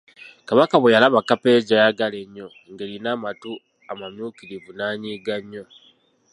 Kabaka bwe yalaba kkapa ye gy'ayagala ennyo nga erina amatu amamyukirivu n'anyiiga nnyo.